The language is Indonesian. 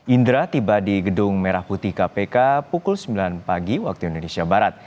indra tiba di gedung merah putih kpk pukul sembilan pagi waktu indonesia barat